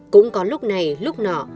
cũng có lúc này lúc nọ